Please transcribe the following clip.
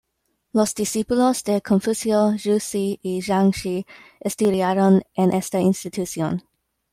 Los discípulos de Confucio, Zhu Xi y Zhang Shi estudiaron en esta institución.